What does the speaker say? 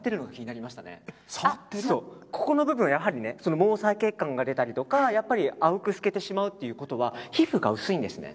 ここの部分は毛細血管が出たりやっぱり青く透けてしまうということは皮膚が薄いんですね。